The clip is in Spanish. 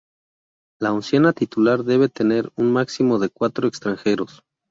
La oncena titular debe tener un máximo de cuatro extranjeros.